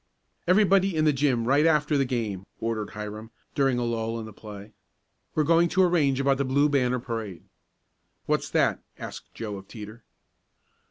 "Everybody in the gym right after the game," ordered Hiram, during a lull in the play. "We're going to arrange about the Blue Banner parade." "What's that," asked Joe of Teeter.